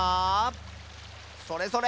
それそれ！